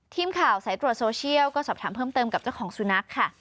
ทีมข่าวสายตรวจโซเชียลก็สอบถามเพิ่มเติมกับเจ้าของสุนัขค่ะ